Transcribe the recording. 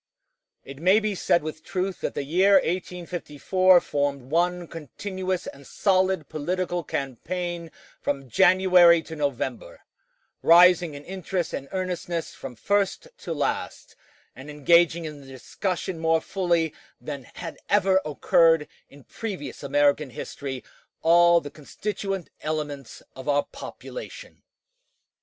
It may be said with truth that the year 1854 formed one continuous and solid political campaign from January to November, rising in interest and earnestness from first to last, and engaging in the discussion more fully than had ever occurred in previous American history all the constituent elements of our population.